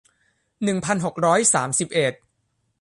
หนึ่งพันหกร้อยสามสิบเอ็ด